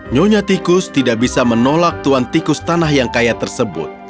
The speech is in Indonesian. nyonya tikus tidak bisa menolak tuan tikus tanah yang kaya tersebut